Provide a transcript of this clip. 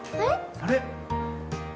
あれ？